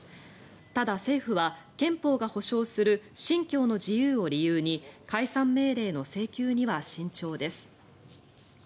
ただ、政府は憲法が保障する信教の自由を理由に解散命令の請求には慎重です。